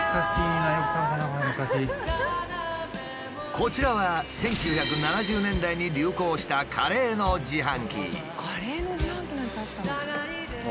こちらは１９７０年代に流行したカレーの自販機なんてあったの？